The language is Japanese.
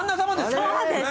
そうです。